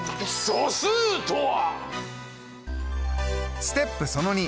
素数とは！